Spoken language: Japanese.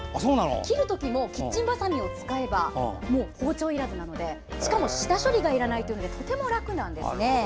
切るときもキッチンバサミを使えば包丁いらずなのでしかも下処理がいらないのでとても楽なんですね。